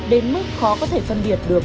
đến mức khó có thể phân biệt được